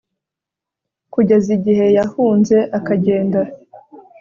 kugeza igihe yahunze akagenda